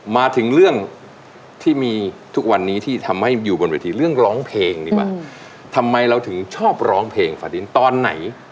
มาถึงเรื่องที่มีทุกวันนี้ที่ทำให้อยู่บนเวทีเรื่องร้องเพลงดีกว่าทำไมเราถึงชอบร้องเพลงฝาดินตอนไหน